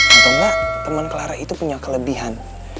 atau enggak teman clara itu punya kelebihan